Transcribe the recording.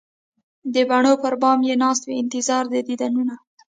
د بڼو پر بام یې ناست وي انتظار د دیدنونه